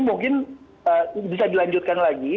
mungkin bisa dilanjutkan lagi